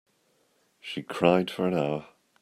She cried for an hour.